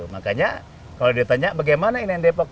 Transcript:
makanya kalau ditanya bagaimana ini yang depok